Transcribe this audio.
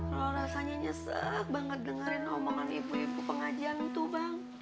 kalau rasanya nyesek banget dengerin omongan ibu ibu pengajian itu bang